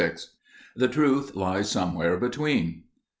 The truth lies somewhere between.